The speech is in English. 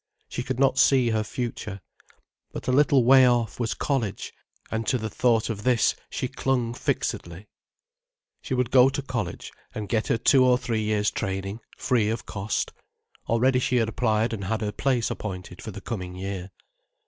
She could not see her future, but a little way off, was college, and to the thought of this she clung fixedly. She would go to college, and get her two or three years' training, free of cost. Already she had applied and had her place appointed for the coming year.